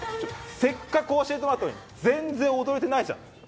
せっかく教えてもらってるのに全然踊れてないじゃん！